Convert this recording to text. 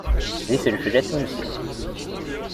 D ifelfel atunsi.